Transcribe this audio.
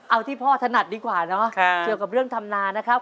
เอาที่พ่อถนัดดีกว่าเนาะเกี่ยวกับเรื่องธรรมนานะครับ